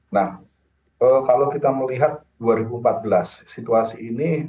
nah kalau kita melihat dua ribu empat belas situasi ini